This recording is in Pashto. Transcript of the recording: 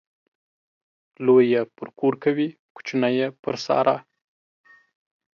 لوى يې پر کور کوي ، کوچنى يې پر سارا.